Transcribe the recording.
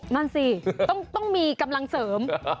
นั่นสิต้องมีกำลังเสริม